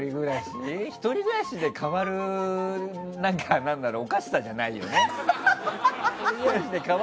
１人暮らしで変わるようなおかしさじゃないよね。